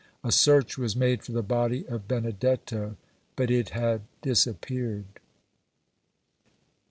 A search was made for the body of Benedetto, but it had disappeared.